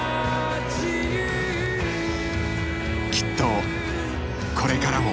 きっとこれからも。